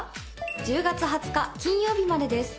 １０月２０日金曜日までです。